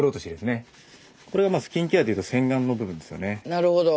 なるほど。